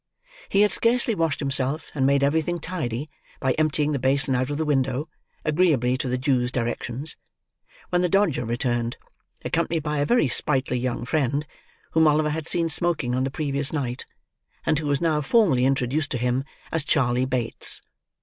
He had scarcely washed himself, and made everything tidy, by emptying the basin out of the window, agreeably to the Jew's directions, when the Dodger returned: accompanied by a very sprightly young friend, whom Oliver had seen smoking on the previous night, and who was now formally introduced to him as Charley Bates.